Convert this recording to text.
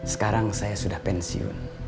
sekarang saya sudah pensiun